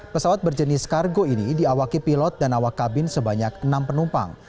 pesawat berjenis kargo ini diawaki pilot dan awak kabin sebanyak enam penumpang